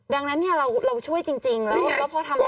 ดังนั้นเนี่ยเราช่วยจริงแล้วก็พอทำ